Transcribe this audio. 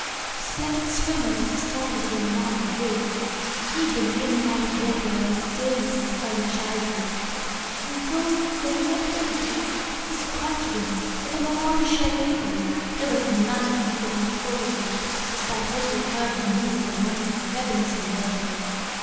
A splendid swimmer was the stalwart young man of the hills. He had been in and out of water almost daily since early childhood, and, though there had never been a test, was confident that, among all the Shell People, there was none he could not overtake, despite what he had heard and knew of their wonderful cleverness in the water.